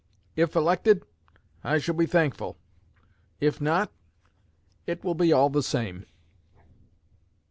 If elected I shall be thankful. If not, it will be all the same.'"